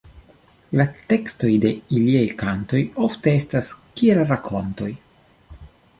La tekstoj de iliaj kantoj ofte estas kiel rakontoj.